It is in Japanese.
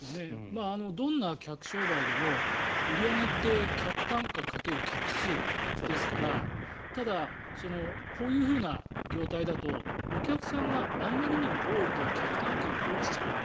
どんな客商売でも売り上げって客単価掛ける客数ですからただ、こういう業態だとお客さんがあまりにも多いと客単価が落ちちゃうと。